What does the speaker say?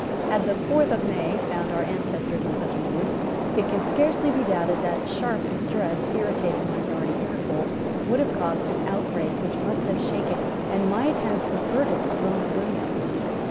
Had the fourth of May found our ancestors in such a mood, it can scarcely be doubted that sharp distress, irritating minds already irritable, would have caused an outbreak which must have shaken and might have subverted the throne of William.